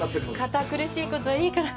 堅苦しい事はいいから。